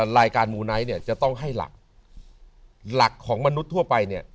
รายการมูไนท์เนี่ยจะต้องให้หลักหลักของมนุษย์ทั่วไปเนี่ย